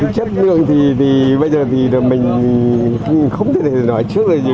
chất lượng thì bây giờ thì mình không thể nói trước là gì